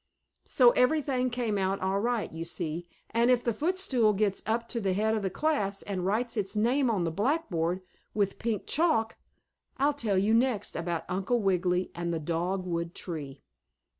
So everything came out all right, you see, and if the foot stool gets up to the head of the class and writes its name on the blackboard, with pink chalk, I'll tell you next about Uncle Wiggily and the dogwood tree.